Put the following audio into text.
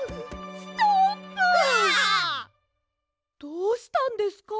どうしたんですか？